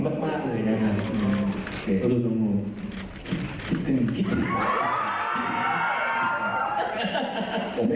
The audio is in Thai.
ผมเองก็คิดถึงครับ